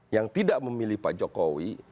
yang tidak memilih pak jokowi